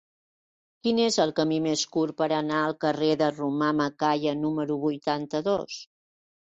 Quin és el camí més curt per anar al carrer de Romà Macaya número vuitanta-dos?